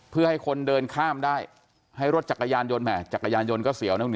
เพื่อให้คนเดินข้ามได้ให้รถจักรยานยนต์แห่จักรยานยนต์ก็เสียวนะคุณ